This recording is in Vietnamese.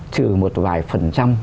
trừ một vài phần trăm